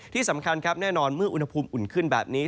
ที่สำคัญครับแน่นอนเมื่ออุณหภูมิอุ่นขึ้นแบบนี้